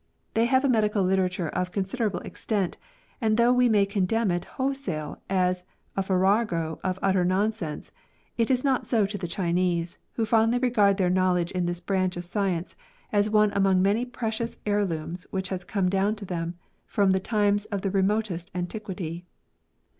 They have a medical literature of considerable extent, and though we may condemn it wholesale as a farrago of utter nonsense, it is not so to the Chinese, who fondly regard their knowledge in this branch of science as one among many precious heirlooms which has come down to them from times of the remotest antiquity.